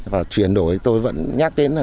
và chuyển đổi tôi vẫn nhắc đến là